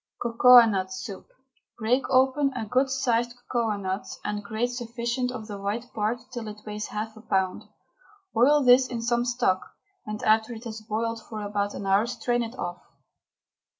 COCOANUT SOUP. Break open a good sized cocoanut and grate sufficient of the white part till it weighs half a pound. Boil this in some stock, and after it has boiled for about an hour strain it off.